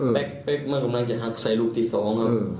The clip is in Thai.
เป๊ะมันกำลังจะหักใส่ลูกตี๒นะครับ